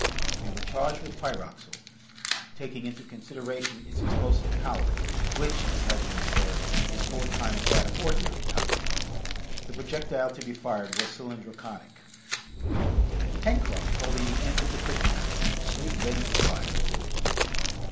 They were charged with pyroxyle, taking into consideration its explosive power, which, as has been said, is four times that of ordinary powder: the projectile to be fired was cylindroconic. Pencroft, holding the end of the quick match, stood ready to fire.